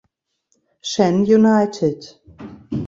Shan United